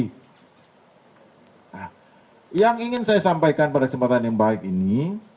nah yang ingin saya sampaikan pada kesempatan yang baik ini